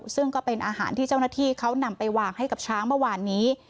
ซึ่งก็เป็นอาหารที่เจ้าหน้าที่เขานำไปวางให้กับช้างเมื่อวานนี้